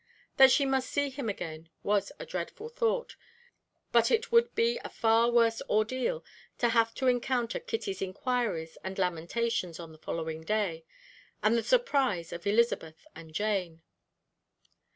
That she must see him again was a dreadful thought, but it would be a far worse ordeal to have to encounter Kitty's inquiries and lamentations on the following day, and the surprise of Elizabeth and Jane.